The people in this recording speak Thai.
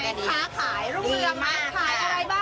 ๘๐บาทค่ะ๘๐บาท